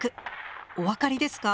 お分かりですか？